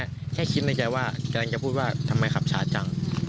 ก็แค่คิดในใจว่ากำลังจะพูดว่าทำไมขับช้าจัง